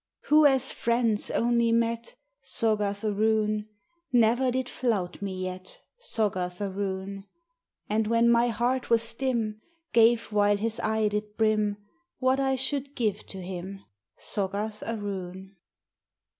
Who, as friends only mot, Soggarth aroon. Never did flout me yet, Soggarth aroon ; And when my heart was dim, Cave, while his eye did brim, What I should give to him, Soggarth aroon?